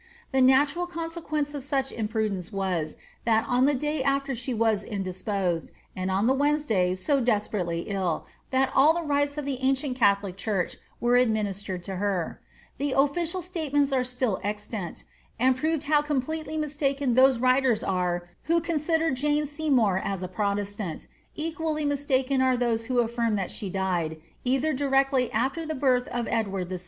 The natunl consequence of such imprudence was, that on the day aAer she was indisposed, and on the Wednesday so despe nteiy iJl, that ail the rites of the ancient catholic church were adminis tered to her : the official statements are still extant, and prove how com pletely mistaken those writers are who consider Jane Seymour as a protestant ; equally mistaken are those who affirm that she died, either directly after the birth of Edward VI.